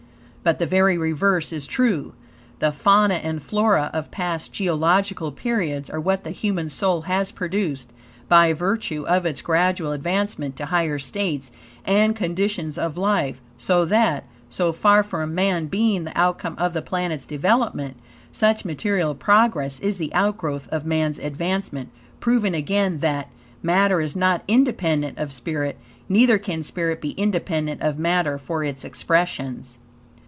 But the very reverse is true. The fauna and flora of past geological periods are what the human soul has produced, by virtue of its gradual advancement to higher states and conditions of life, so that, so far from man being the outcome of the planet's development, such material progress is the outgrowth of man's advancement, proving again that, matter is not independent of spirit, neither can spirit be independent of matter for its expressions.